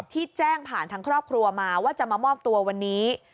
ที่แจ้งผ่านทางครอบครัวมาว่าจะมามอบตัววันนี้